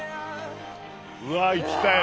うわ行ったよ